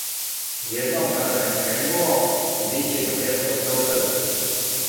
Једном када је кренуо, биће га тешко зауставити.